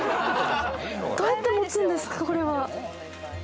どうやって持つんですか？